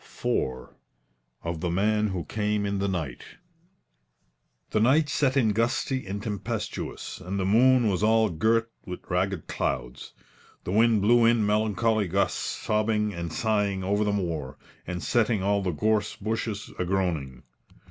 IV OF THE MAN WHO CAME IN THE NIGHT The night set in gusty and tempestuous, and the moon was all girt with ragged clouds. The wind blew in melancholy gusts, sobbing and sighing over the moor, and setting all the gorse bushes agroaning.